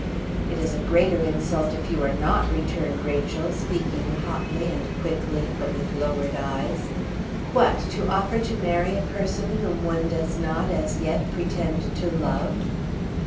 "It is a greater insult if you are not," returned Rachel, speaking hotly and quickly, but with lowered eyes. "What! To offer to marry a person whom one does not as yet pretend to love?"